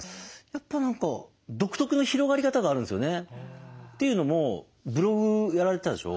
やっぱ何か独特の広がり方があるんですよね。というのもブログやられてたでしょ。